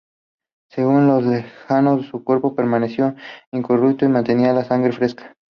Según los legajos su cuerpo permaneció incorrupto y mantenía la sangre fresca.